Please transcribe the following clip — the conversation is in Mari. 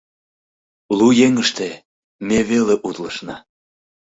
Лу еҥыште ме веле утлышна.